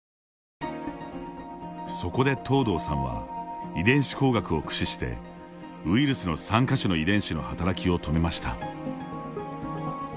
そこで藤堂さんは遺伝子工学を駆使してウイルスの３か所の遺伝子の働きを止めました。